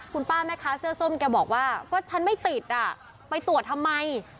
คุณป้าแม่ค้าเสื้อส้มแกบอกว่าก็ฉันไม่ติดอ่ะไปตรวจทำไม